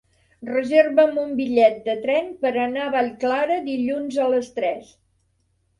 Reserva'm un bitllet de tren per anar a Vallclara dilluns a les tres.